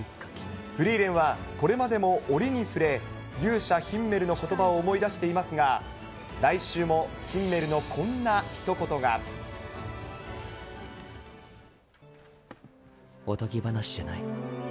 フリーレンはこれまでも折に触れ、勇者、ヒンメルのことばを思い出していますが、来週もヒンメルのおとぎ話じゃない。